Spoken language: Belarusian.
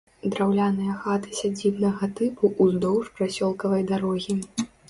Драўляныя хаты сядзібнага тыпу ўздоўж прасёлкавай дарогі.